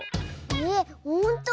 えっほんと⁉